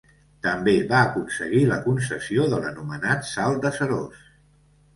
També va aconseguir la concessió de l’anomenat Salt de Seròs.